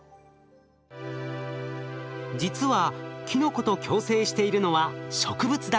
実はキノコと共生しているのは植物だけではありません。